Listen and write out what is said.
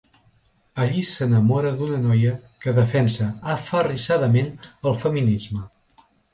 Allí s’enamora d’una noia que defensa aferrissadament el feminisme.